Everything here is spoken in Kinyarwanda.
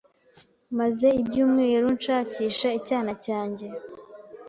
Maze ibyumweru nshakisha icyana cyanjye.